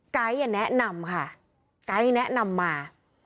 กายอย่าแนะนำค่ะกายอย่าแนะนำมา